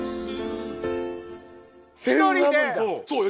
そうよ！